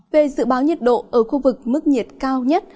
về dự báo nhiệt độ ở khu vực mức nhiệt cao nhất